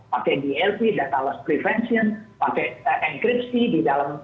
pakai blp data loss prevention pakai enkripsi di dalam